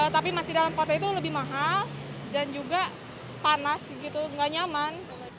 tapi masih dalam kota itu lebih mahal dan juga panas gitu nggak nyaman